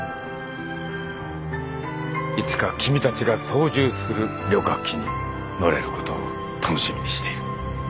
いつか君たちが操縦する旅客機に乗れることを楽しみにしている。